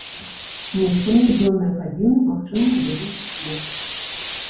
Месцамі ў дзённыя гадзіны магчымы невялікі снег.